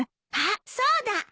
あっそうだ。